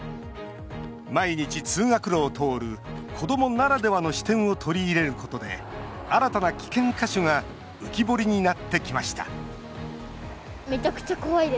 毎日、通学路を通る子どもならではの視点を取り入れることで新たな危険箇所が浮き彫りになってきました